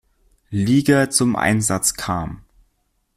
Liga zum Einsatz kam.